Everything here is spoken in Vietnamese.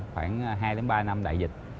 khoảng hai ba năm đại dịch